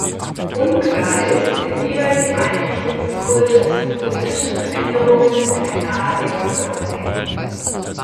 Unklar ist, inwieweit die Einrichtung des Kultes mit politischen Veränderungen in Kleinasien zusammenhängt.